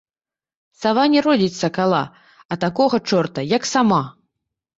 Сава не родзiць сакала, а такога чорта, як сама